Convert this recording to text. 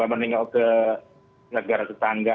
menengok ke negara tetangga